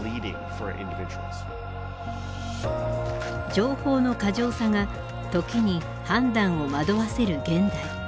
情報の過剰さが時に判断を惑わせる現代。